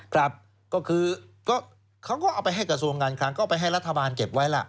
ครับก็คือเขาก็เอาไปให้กระทรวงการคลังก็ไปให้รัฐบาลเก็บไว้ล่ะ